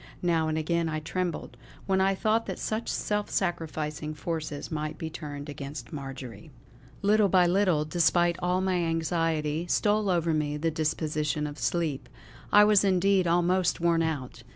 Now and again I trembled, when I thought that such self sacrificing forces might be turned against Marjory. Little by little, despite all my anxiety, stole over me the disposition of sleep. I was indeed almost worn out.